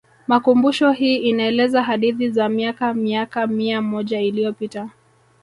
Makumbusho hii inaeleza hadithi za miaka miaka mia moja iliyopita